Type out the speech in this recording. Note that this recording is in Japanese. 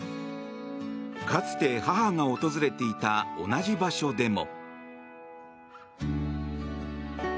かつて母が訪れていた同じ場所でも。